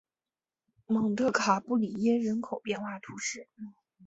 蒙特卡布里耶人口变化图示